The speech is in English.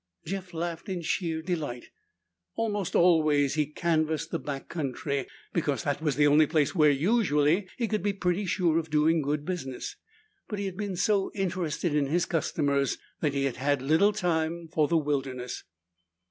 Jeff laughed in sheer delight. Almost always he canvassed the back country, because that was the only place where, usually, he could be pretty sure of doing good business. But he had been so interested in his customers that he had had little time for the wilderness.